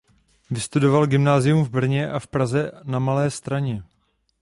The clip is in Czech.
Vystudoval gymnázium v Brně a v Praze na Malé Straně.